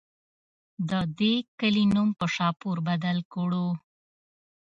د دې کلي نوم پۀ شاهپور بدل کړو